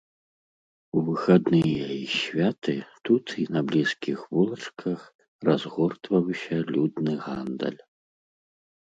У выхадныя і святы тут і на блізкіх вулачках разгортваўся людны гандаль.